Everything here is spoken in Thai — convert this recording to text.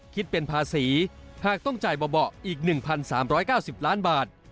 คิดเป็นภาษีหากต้องจ่ายเบาะอีก๑๓๙๐ล้านบาท